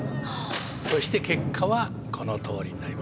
そして結果はこのとおりになりますね。